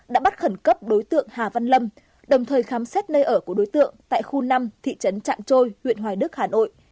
đã bắt khẩn cấp đối tượng hà văn lâm đồng thời khám xét nơi ở của đối tượng tại khu năm thị trấn trạng trôi huyện hoài đức hà nội